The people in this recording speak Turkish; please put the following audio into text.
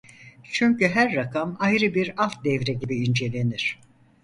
Çünkü her rakam ayrı bir alt devre gibi incelenir.